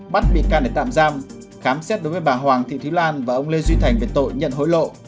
bắt bị can để tạm giam khám xét đối với bà hoàng thị thúy lan và ông lê duy thành về tội nhận hối lộ